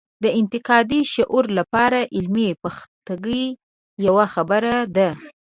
د انتقادي شعور لپاره علمي پختګي یوه خبره ده.